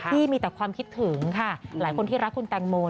ที่มีแต่ความคิดถึงค่ะหลายคนที่รักคุณแตงโม